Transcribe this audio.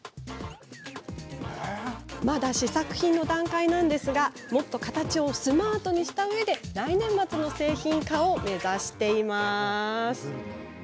まだ試作品の段階ですがもっと形をスマートにして来年末の製品化を目指しています。